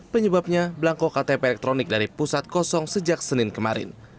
penyebabnya belangko ktp elektronik dari pusat kosong sejak senin kemarin